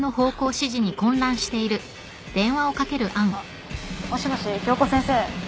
あっもしもし今日子先生。